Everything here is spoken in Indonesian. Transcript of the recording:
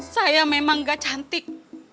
saya memang gak cantik